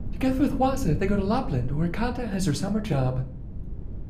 Together with Jusa, they go to Lapland where Kata has her summer job.